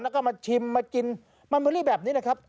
แล้วก็มาชิมมากินมันเบอรี่แบบนี้นะครับ